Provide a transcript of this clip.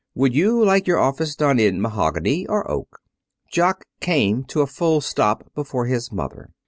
Would you like your office done in mahogany or oak?'" Jock came to a full stop before his mother.